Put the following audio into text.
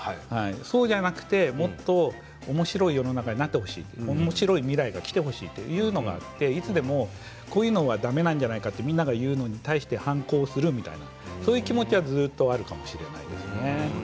そうじゃなくてもっとおもしろい世の中になってほしいおもしろい未来がきてほしいというのがあっていつでもこういうのはだめなんじゃないかとみんなが言うことに対して反抗するみたいなそういう気持ちはずっとあるかもしれないですね。